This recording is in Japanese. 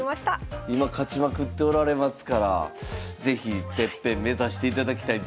今勝ちまくっておられますから是非てっぺん目指していただきたい。